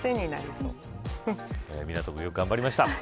みなと君、よく頑張りました。